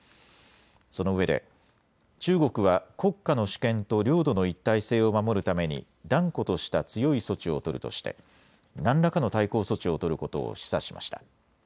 そのうえで中国は国家の主権と領土の一体性を守るために断固とした強い措置を取るとして何らかの対抗措置を取ることを示唆しました。